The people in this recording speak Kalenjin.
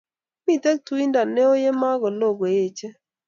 Mito tuindo neoo ya meku loo kuechei